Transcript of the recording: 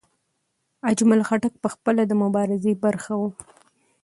اجمل خټک پخپله د مبارزې برخه و.